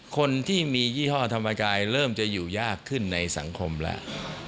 คนที่มียี่ห้อธรรมกายเริ่มจะอยู่ยากขึ้นในสังคมแล้ว